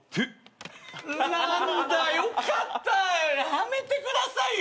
やめてくださいよ。